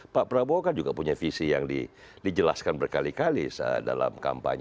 pak prabowo kan juga punya visi yang dijelaskan berkali kali dalam kampanye